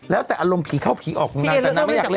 แล้วแต่อารมณ์ผีเข้าผีออกของนางแต่นางไม่อยากเล่น